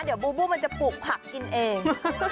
เดี๋ยวบูบูมันจะปลูกผักกินเอง